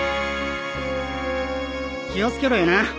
気を付けろよな